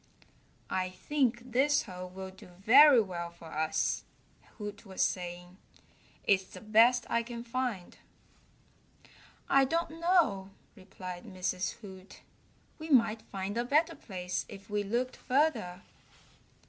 "I think this hole will do very well for us," Hoot was saying. "It's the best I can find." "I don't know," replied Mrs. Hoot. "We might find a better place if we looked further."